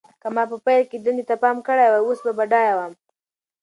که ما په پیل کې دندې ته پام کړی وای، اوس به بډایه وم.